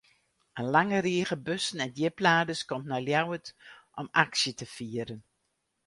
In lange rige bussen en djipladers komt nei Ljouwert om aksje te fieren.